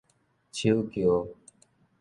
手轎